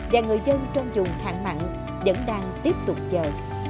và người dân trong dùng hạn mặn vẫn đang tiếp tục chờ